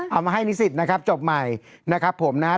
เอามาให้นิสิตนะครับจบใหม่นะครับผมนะครับ